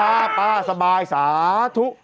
อ่าป่าสบายสาธุ